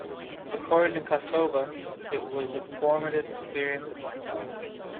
According to Kostova, It was the formative experience of my childhood.